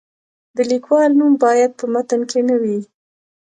د لیکوال نوم باید په متن کې نه وي.